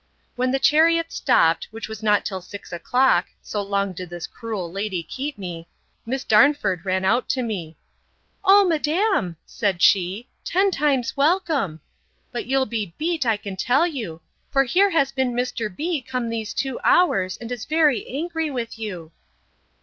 When the chariot stopped, which was not till six o'clock, so long did this cruel lady keep me, Miss Darnford ran out to me: O madam, said she, ten times welcome! but you'll be beat, I can tell you! for here has been Mr. B—— come these two hours, and is very angry with you.